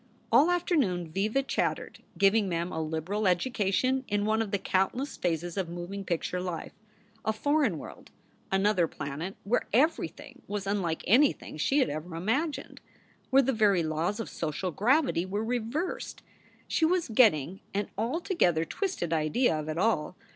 All afternoon Viva chattered, giving Mem a liberal educa tion in one of the countless phases of moving picture life, a foreign world, another planet where everything was unlike anything she had ever imagined, where the very laws of social gravity were reversed. She was getting an altogether twisted idea of it all.